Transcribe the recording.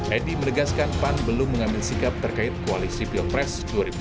edi menegaskan pan belum mengambil sikap terkait koalisi pilpres dua ribu sembilan belas